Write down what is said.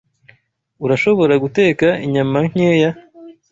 Urashobora guteka inyama nkeya?